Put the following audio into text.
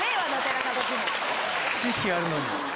知識あるのに。